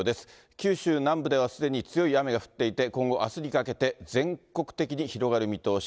九州南部ではすでに強い雨が降っていて、今後、あすにかけて全国的に広がる見通し。